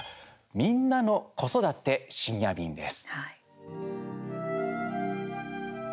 「みんなの子育て☆深夜便」です。